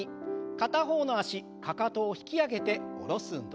片方の脚かかとを引き上げて下ろす運動。